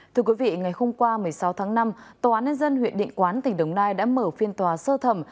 thưa quý vị ngày hôm qua một mươi sáu tháng năm tòa án nhân dân huyện định quán tỉnh đồng nai đã mở phiên tòa sơ thẩm